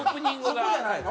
そこじゃないの？